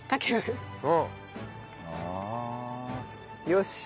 よし。